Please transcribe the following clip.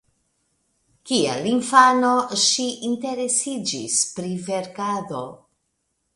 Kiel infano ŝi interesiĝis pri verkado.